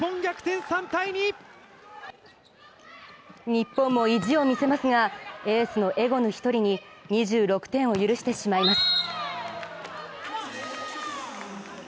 日本も意地を見せますが、エースのエゴヌ一人に２６点を許してしまいます